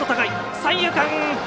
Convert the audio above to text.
三遊間！